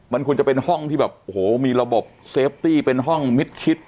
มันควรจะเป็นห้องที่แบบโอ้โหมีระบบเซฟตี้เป็นห้องมิดชิด